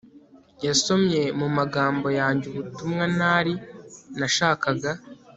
Yasomye mumagambo yanjye ubutumwa ntari nashakaga